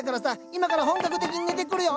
今から本格的に寝てくるよ。